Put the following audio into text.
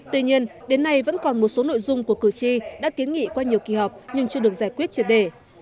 tuy nhiên đến nay vẫn còn một số nội dung của cử tri đã kiến nghị qua nhiều kỳ họp nhưng chưa được giải quyết triệt đề